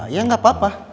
ya gak apa apa